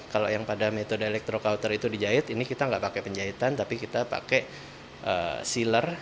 kalau yang pada metode electro culture itu dijahit ini kita nggak pakai penjahitan tapi kita pakai sealer